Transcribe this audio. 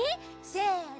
せの！